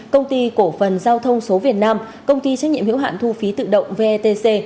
công ty cổ phần giao thông số việt nam công ty trách nhiệm hiệu hạn thu phí tự động vetc